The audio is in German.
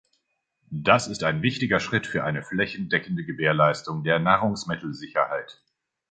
Das ist ein wichtiger Schritt für eine flächendeckende Gewährleistung der Nahrungsmittelsicherheit.